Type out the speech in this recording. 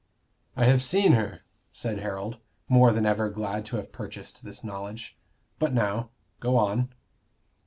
"I have seen her," said Harold, more than ever glad to have purchased this knowledge. "But now, go on."